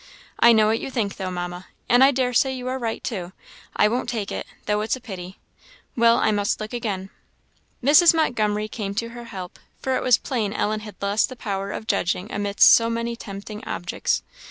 "I know what you think, though, Mamma, and I daresay you are right, too; I won't take it, though it's a pity. Well, I must look again." Mrs. Montgomery came to her help, for it was plain Ellen had lost the power of judging amidst so many tempting objects.